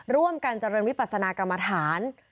ร่วมกันเจริญวิปัสนากรรมฐาน